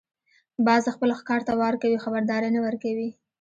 باز خپل ښکار ته وار کوي، خبرداری نه ورکوي